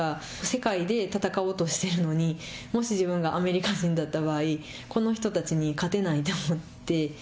世界で戦おうとしているのにもし自分がアメリカ人だった場合この人たちに勝てないと思って。